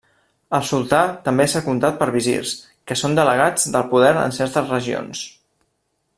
El sultà també és secundat per visirs, que són delegats del poder en certes regions.